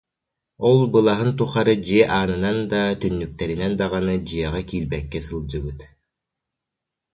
Ол былаһын тухары дьиэ аанынан да, түннүктэринэн даҕаны дьиэҕэ киирбэккэ сылдьыбыт